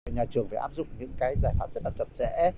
nhà trường phải áp dụng những giải pháp chất đạt chất trẻ